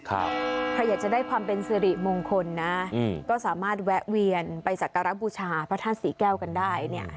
ใครอยากจะได้ความเป็นเสริมงคลนะก็สามารถแวะเวียนไปสรับการรับบุชาพระท่านสีแก้วกันได้คุณผู้ชมค่ะ